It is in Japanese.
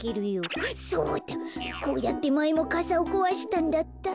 そうだこうやってまえもかさをこわしたんだった。